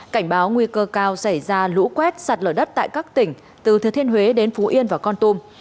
cảnh báo nguy cơ cao xảy ra lũ quét sạt lở đất tại các tỉnh từ thừa thiên huế đến phú yên và con tum